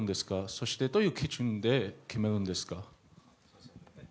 そして、どういう基準で決めるんですか？